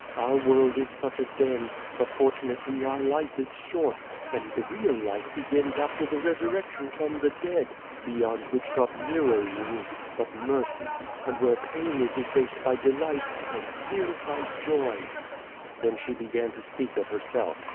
Our world is such a den, but, fortunately, our life is short, and the real life begins after the resurrection from the dead, beyond which not Nero rules, but Mercy, and w^here pain is effaced by delight, and tears by joy.^^ Then she began to speak of herself.